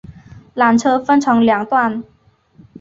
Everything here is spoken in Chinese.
缆车分成两段